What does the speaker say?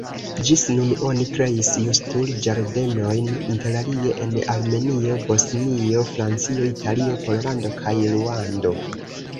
Ĝis nun oni kreis Justul-Ĝardenojn interalie en Armenio, Bosnio, Francio, Italio, Pollando kaj Ruando.